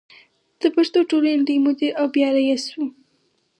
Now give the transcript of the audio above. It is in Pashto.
د پښتو ټولنې لوی مدیر او بیا رئیس و.